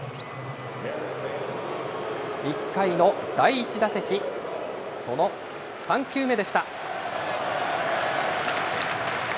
１回の第１打席、その３球目でした。